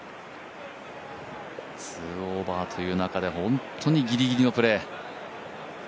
２オーバーという中で本当にギリギリのプレー。